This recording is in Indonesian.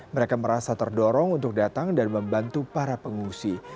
mereka merasa terdorong untuk datang dan membantu para pengungsi